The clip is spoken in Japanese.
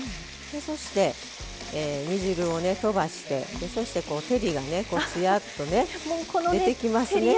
そして煮汁をねとばしてそして照りがねつやっとね出てきますね。